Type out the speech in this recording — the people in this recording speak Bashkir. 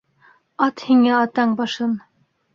Ат һиңә атаң башын!